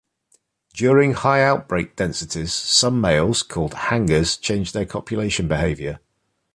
During high outbreak densities, some males, called "hangers," change their copulation behavior.